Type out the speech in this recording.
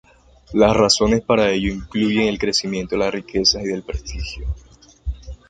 Las razones para ello incluyen el crecimiento de las riquezas y del prestigio.